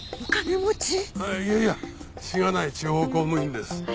いやいやしがない地方公務員です。